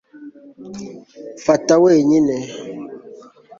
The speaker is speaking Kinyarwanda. Fata wenyine